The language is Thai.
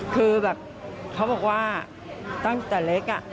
คือแบบเขาบอกว่าตั้งแต่เล็ก